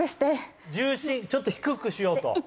重心をちょっと低くしようと。